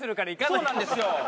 そうなんですよ。